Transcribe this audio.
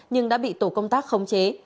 nhưng đã bị tổ công tác khống chế